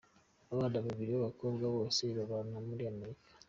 abana babiri b'abakobwa bose babana muri Amerika.